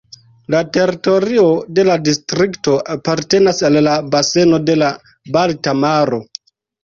La teritorio de la distrikto apartenas al la baseno de la Balta Maro.